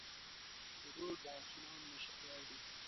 پیلوټ د آسمان موسیقي اوري.